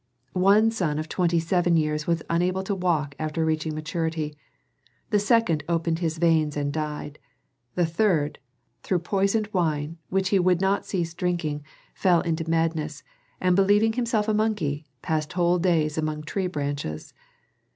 One son of twenty seven years was unable to walk after reaching maturity; the second opened his veins and died; the third, through poisoned wine, which he would not cease drinking, fell into madness, and believing himself a monkey, passed whole days among tree branches.